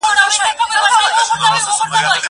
زه کولای سم دا کار وکړم!!